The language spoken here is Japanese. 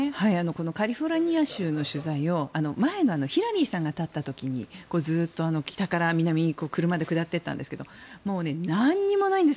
カリフォルニア州の取材を前のヒラリーさんが立った時にずっと北から南に車で下って行ったんですがもうなんにもないんです